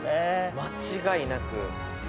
間違いなく。